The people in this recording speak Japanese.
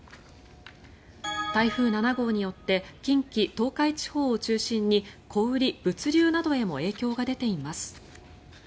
台風７号によって近畿・東海地方を中心に小売り・物流などへも影響が出ています。